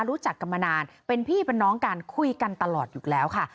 รู้จักกันมานานเป็นพี่เป็นน้องกันคุยกันตลอดอยู่แล้วค่ะ